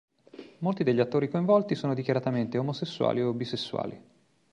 Molti degli attori coinvolti sono dichiaratamente omosessuali o bisessuali.